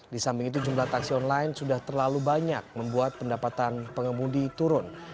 di samping itu jumlah taksi online sudah terlalu banyak membuat pendapatan pengemudi turun